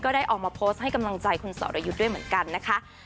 ได้ออกมาโพสต์ให้กำลังใจคุณสอรยุทธ์ด้วยเหมือนกันนะคะ